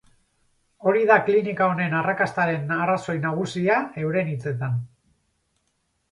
Hori da klinika honen arrakastaren arrazoi nagusia, euren hitzetan.